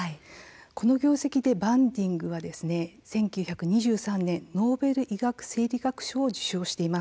この業績でバンティングは１９２３年ノーベル医学・生理学賞を受賞しています。